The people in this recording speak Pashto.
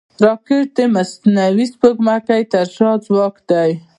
راکټ د مصنوعي سپوږمکۍ تر شا ځواک دی